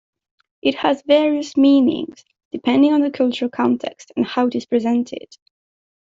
It has various meanings, depending on the cultural context and how it is presented.